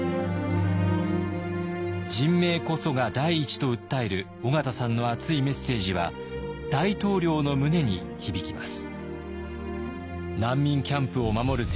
「人命こそが第一」と訴える緒方さんの熱いメッセージは大統領の胸に響きます。